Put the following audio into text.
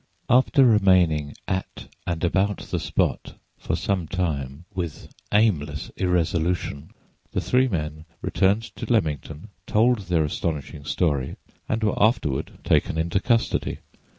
After remaining at and about the spot for some time, with aimless irresolution, the three men returned to Leamington, told their astonishing story and were afterward taken into custody.